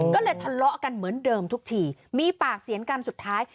ก็เลยทะเลาะกันเหมือนเดิมทุกทีมีปากเสียงกันสุดท้าย